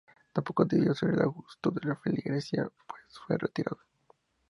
Tampoco debió ser del gusto de la feligresía, pues fue retirado.